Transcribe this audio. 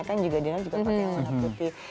kan juga di dalam juga pakai emas putih